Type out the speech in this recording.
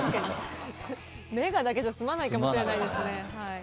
メガだけじゃ済まないかもしれないですね。